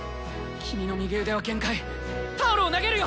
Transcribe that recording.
君の右腕は限界タオルを投げるよ！」。